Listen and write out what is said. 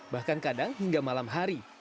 bahkan kadang hingga malam hari